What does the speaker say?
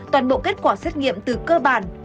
toàn bộ kết quả xét nghiệm từ cơ bản